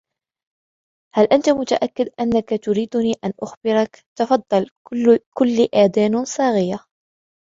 " هل أنت متأكد أنك تريدني أن أخبرك ؟"" تفضل ، كلي آذان صاغية! "